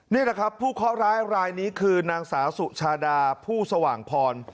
นี่แหละครับผู้เคาะร้ายรายนี้คือนางสาวสุชาดาผู้สว่างพร